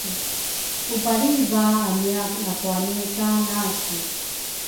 ubalriava amia nakuane ka lasu.